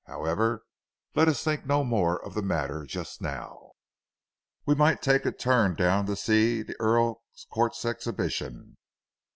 However let us think no more of the matter just now. We might take a turn down to see the Earl's Court Exhibition.